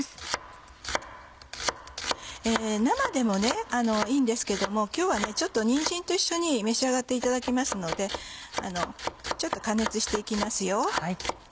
生でもいいんですけども今日はにんじんと一緒に召し上がっていただきますので加熱して行きますよ。